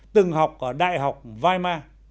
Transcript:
từng học ở đại học weimar